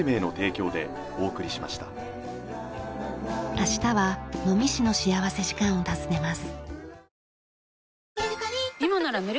明日は能美市の幸福時間を訪ねます。